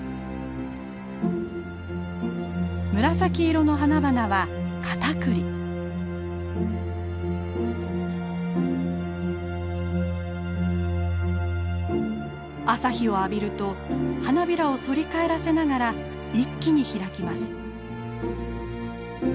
紫色の花々は朝日を浴びると花びらを反り返らせながら一気に開きます。